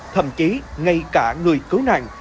thậm chí ngay cả người cứu nạn